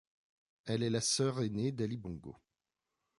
Elle est la sœur aînée d'Ali Bongo.